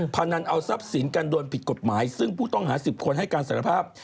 พนันเอาทรัพย์สินกันโดยผิดกฎหมายซึ่งผู้ต้องหา๑๐คนให้การสารภาพ